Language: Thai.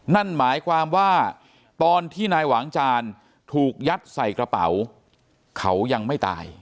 นั่นหมายความว่าตอนที่นายหวางจานถูกยัดใส่กระเป๋าเขายังไม่ตาย